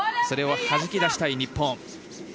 それをはじき出したい日本。